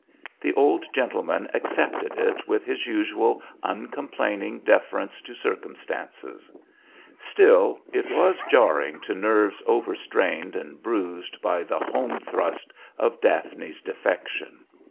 The old gentleman accepted it with his usual uncomplaining deference to circumstances; still, it was jarring to nerves overstrained and bruised by the home thrust of Daphne's defection.